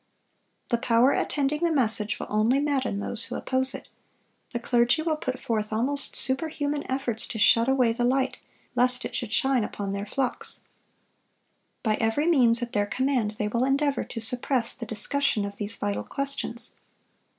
The power attending the message will only madden those who oppose it. The clergy will put forth almost superhuman efforts to shut away the light, lest it should shine upon their flocks. By every means at their command they will endeavor to suppress the discussion of these vital questions.